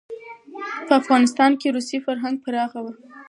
په افغانستان کې روسي فرهنګ پراخه و.